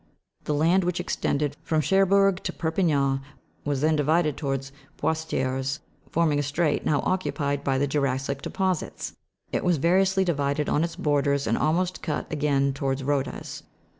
The land which extended from Cherbourg to Perpignan, was then divided towards Poictiers, forming a strait, now occupied by the jura'ssic deposits ; it was variously divided on its borders, and almost cut again towards Rodcz.